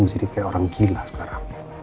menjadi kayak orang gila sekarang